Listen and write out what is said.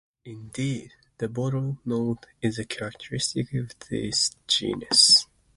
Indeed, the "bottle-nose" is a characteristic of this genus.